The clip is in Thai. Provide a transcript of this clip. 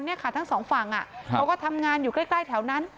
นี่ค่ะทั้งสองฝั่งเขาก็ทำงานอยู่ใกล้แถวนั้น